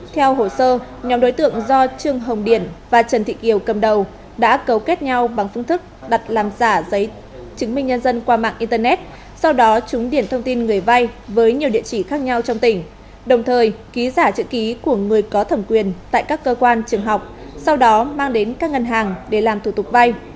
theo hồ sơ nhóm đối tượng do trương hồng điển và trần thị kiều cầm đầu đã cầu kết nhau bằng phương thức đặt làm giả giấy chứng minh nhân dân qua mạng internet sau đó chúng điển thông tin người vay với nhiều địa chỉ khác nhau trong tỉnh đồng thời ký giả chữ ký của người có thẩm quyền tại các cơ quan trường học sau đó mang đến các ngân hàng để làm thủ tục vay